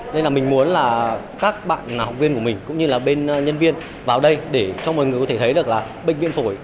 nên là mình muốn là các bạn học viên của mình cũng như là bên nhân viên vào đây để cho mọi người có thể thấy được là bệnh viện phổi